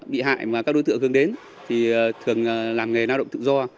bị hại mà các đối tượng gần đến thì thường làm nghề nao động tự do